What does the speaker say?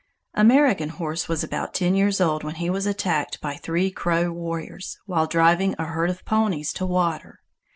American Horse was about ten years old when he was attacked by three Crow warriors, while driving a herd of ponies to water.